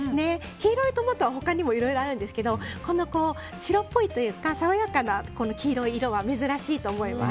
黄色いトマトは他にもいろいろあるんですが白っぽいというか爽やかな黄色い色は珍しいと思います。